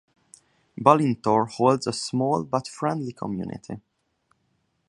Balintore holds a small but friendly community.